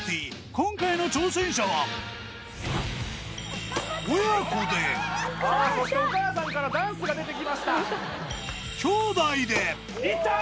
今回の挑戦者は親子でさあそしてお母さんからダンスが出てきました姉弟でいった！